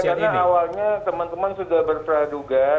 iya karena awalnya teman teman sudah berperaduan